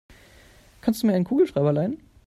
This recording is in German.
Kannst du mir einen Kugelschreiber leihen?